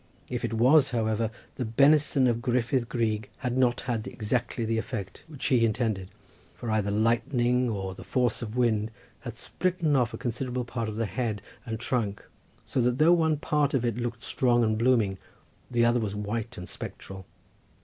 If it was, however, the benison of Gruffyd Gryg had not had exactly the effect which he intended, for either lightning or the force of wind had splitten off a considerable part of the head and trunk, so that though one part of it looked strong and blooming, the other was white and spectral.